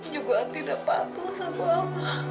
juga tidak patuh sama apa